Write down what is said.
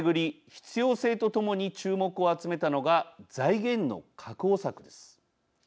必要性とともに注目を集めたのが財源の確保策です。